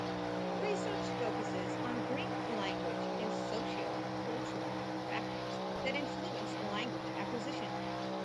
Research focuses on Greek language and socio-cultural factors that influence language acquisition.